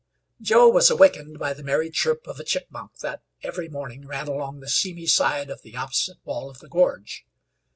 Joe was awakened by the merry chirp of a chipmunk that every morning ran along the seamy side of the opposite wall of the gorge.